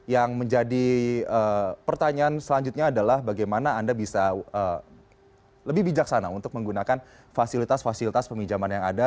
yang menjadi pertanyaan selanjutnya adalah bagaimana anda bisa lebih bijaksana untuk menggunakan fasilitas fasilitas peminjaman yang ada